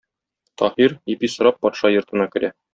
Таһир, ипи сорап, патша йортына керә.